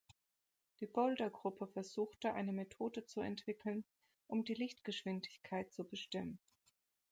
Die Boulder-Gruppe versuchte eine Methode zu entwickeln, um die Lichtgeschwindigkeit zu bestimmen.